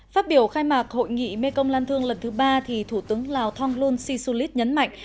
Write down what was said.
phát biểu khai mạc hội nghị mekong lan thương lần thứ ba thì thủ tướng lào thonglun sisulit nhấn mạnh